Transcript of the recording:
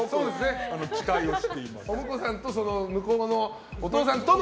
お婿さんと向こうのお父さんとの。